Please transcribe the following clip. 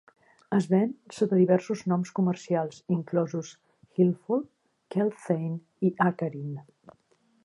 Es ven sota diversos noms comercials, inclosos "Hilfol", "Kelthane" i "Acarin".